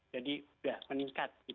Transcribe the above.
jadi sudah meningkat